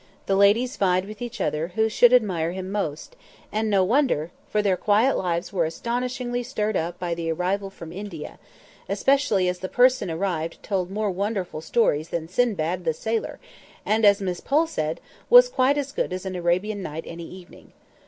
The ladies vied with each other who should admire him most; and no wonder, for their quiet lives were astonishingly stirred up by the arrival from India—especially as the person arrived told more wonderful stories than Sindbad the Sailor; and, as Miss Pole said, was quite as good as an Arabian Night any evening.